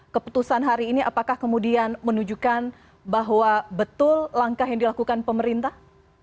keputusan hari ini apakah kemudian menunjukkan bahwa betul langkah yang dilakukan pemerintah